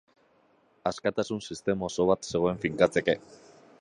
Askatasun-sistema oso bat zegoen finkatzeke.